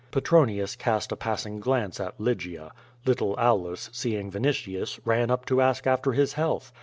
Petronius cast a passing glance at Lygia. Little Aulus, seeing Vinitius, ran up to ask after his health.